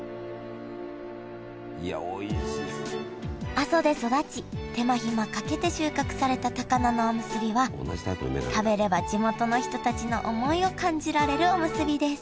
阿蘇で育ち手間ひまかけて収穫された高菜のおむすびは食べれば地元の人たちの思いを感じられるおむすびです